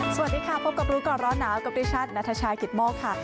สวัสดีค่ะพบกับรู้ก่อนร้อนหนาวกับดิฉันนัทชายกิตโมกค่ะ